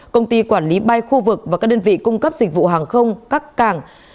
công ty quản lý bay khu vực và các đơn vị cung cấp dịch vụ hàng không các cảng